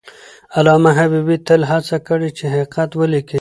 علامه حبیبي تل هڅه کړې چې حقیقت ولیکي.